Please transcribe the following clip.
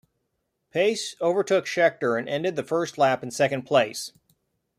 Pace overtook Scheckter and ended the first lap in second place.